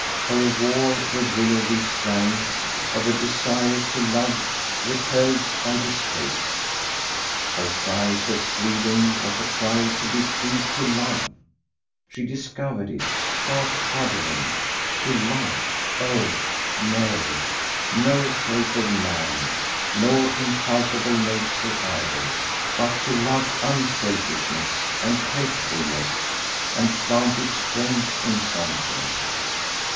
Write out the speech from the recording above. Her war with Willoughby sprang of a desire to love repelled by distaste. Her cry for freedom was a cry to be free to love: she discovered it, half shuddering: to love, oh! no no shape of man, nor impalpable nature either: but to love unselfishness, and helpfulness, and planted strength in something.